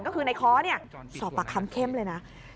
ก็คือในค้อสอบปากคำเข้มเลยนะ